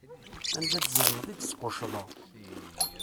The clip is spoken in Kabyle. Anda i d-zedmeḍ, i d-squcceḍeɣ.